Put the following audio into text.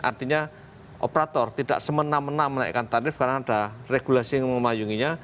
artinya operator tidak semena mena menaikkan tarif karena ada regulasi yang memayunginya